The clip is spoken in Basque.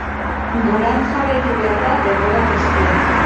Gorantz jarraitu behar da denbora guztian.